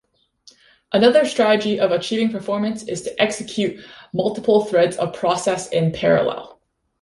Another strategy of achieving performance is to execute multiple threads or processes in parallel.